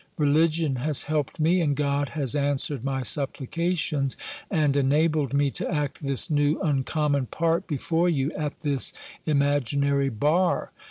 Religion has helped me, and God has answered my supplications, and enabled me to act this new uncommon part before you at this imaginary bar.